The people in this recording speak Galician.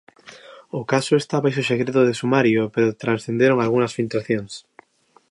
O caso está baixo segredo de sumario pero transcenderon algunhas filtracións.